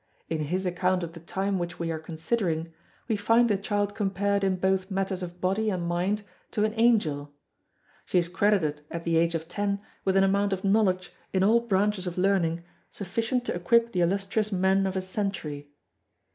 In his account of the time which we are considering, we find the child compared in both matters of body and mind to an angel. She is credited at the age of ten with an amount of knowledge in all branches of learning sufficient to equip the illustrious men of a century.